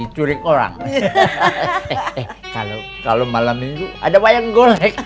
sudah malam ini bro